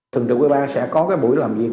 thường trực quỹ ban sẽ có cái buổi làm việc